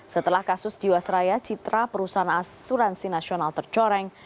setelah kasus jiwasraya citra perusahaan asuransi nasional tercoreng